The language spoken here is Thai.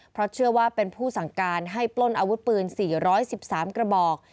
เพราะเชื่อว่าเป็นผู้สั่งการให้ปล้นอาวุธปืน๔๑๓กระบอก